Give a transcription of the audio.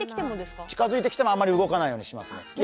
近づいて来てもあまり動かないようにします。